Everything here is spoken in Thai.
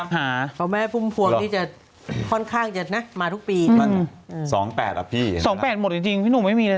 หมดแผงแล้วเนี่ยก็รีบไปตามหา